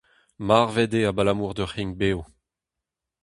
Marvet eo abalamour d'ur c'hrign-bev.